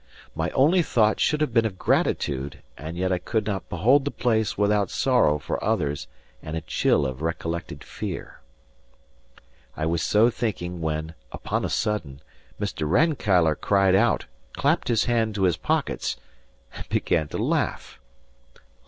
My only thought should have been of gratitude; and yet I could not behold the place without sorrow for others and a chill of recollected fear. I was so thinking when, upon a sudden, Mr. Rankeillor cried out, clapped his hand to his pockets, and began to laugh.